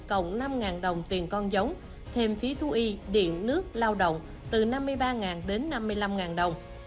cộng năm đồng tiền con giống thêm phí thu y điện nước lao động từ năm mươi ba đến năm mươi năm đồng